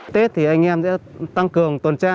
tết thì anh em sẽ tăng cường tuần tra